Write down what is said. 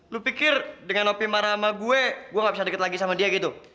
lu pikir dengan nopi marah sama gue gue gak bisa deket lagi sama dia gitu